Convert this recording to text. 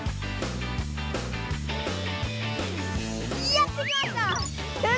やって来ました！